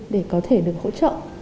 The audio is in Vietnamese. để có thể được hỗ trợ